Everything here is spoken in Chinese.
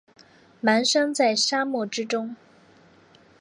蹒跚在沙漠之中